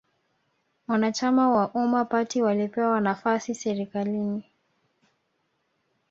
Wanachama wa Umma party walipewa nafasi serikalini